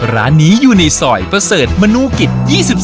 ร้านนี้อยู่ในซอยเบอร์เสิร์ฟมะนูกิจ๒๔